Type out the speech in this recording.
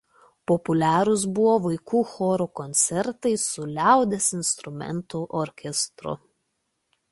Populiarūs buvo vaikų choro koncertai su liaudies instrumentų orkestru.